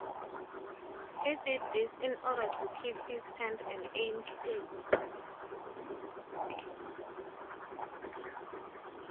He did this in order to keep his hand and aim steady.